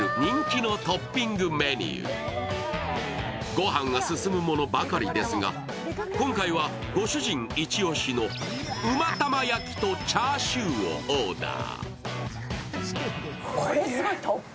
ご飯が進むものばかりですが、今回はご主人イチ押しのうま玉焼きとチャーシューをオーダー。